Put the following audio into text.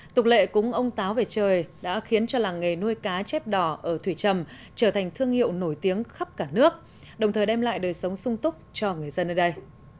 tục lệ cúng ông táo về trời đã khiến cho làng nghề nuôi cá chép đỏ ở thủy trầm trở thành thương hiệu nổi tiếng khắp cả nước đồng thời đem lại đời sống sung túc cho người dân ở đây